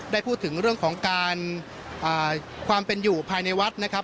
ได้พูดถึงเรื่องของการความเป็นอยู่ภายในวัดนะครับ